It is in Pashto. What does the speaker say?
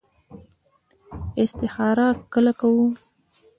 استخاره کله کوو؟